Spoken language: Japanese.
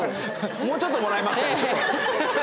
もうちょっともらえますかね